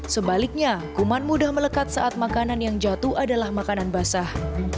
sebaliknya kuman mudah melekat saat makanan yang jatuh adalah makanan basah